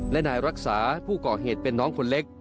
และนายรักษาผู้ก่อเหตุเป็นน้องคนเล็ก